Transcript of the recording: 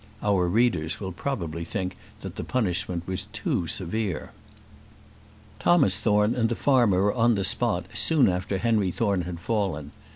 Our readers will probably think that the punishment was too severe. Thomas Thorne and the farmer were on the spot soon after Henry Thorne had fallen.